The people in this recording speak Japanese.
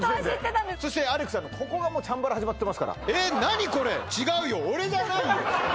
そしてアレクさんのここがもうチャンバラ始まってますから「えっ？なにこれ違うよ俺じゃないよ」